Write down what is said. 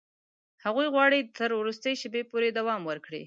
هغوی غواړي تر وروستي شېبې پورې دوام ورکړي.